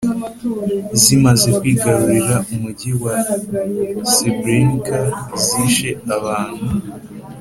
zimaze kwigarurira umujyi wa srebrenica zishe abantu